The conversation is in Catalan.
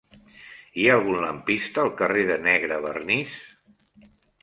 Hi ha algun lampista al carrer de Negrevernís?